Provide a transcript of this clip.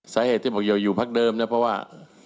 สาเหตุที่บอกอย่าอยู่พักเดิมเนี่ยเพราะว่า